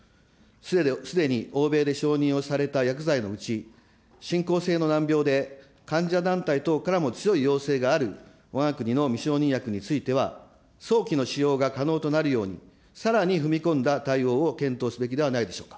すでに欧米で承認をされた薬剤のうち、進行性の難病で患者団体等からも強い要請があるわが国の未承認薬については、早期の使用が可能となるように、さらに踏み込んだ対応を検討すべきではないでしょうか。